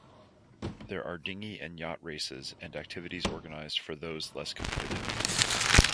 There are dinghy and yacht races and activities organised for those less competitive.